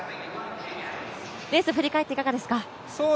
レース振り返って、いかがですか？